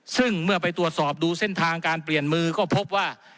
ซึ่งเมื่อไปตรวจสอบดูเส้นทางการเปลี่ยนมือก็พบว่า